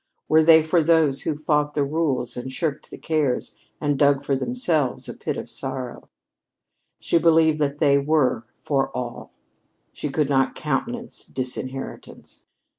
Were they for those who fought the rules and shirked the cares and dug for themselves a pit of sorrow? She believed they were for all. She could not countenance disinheritance.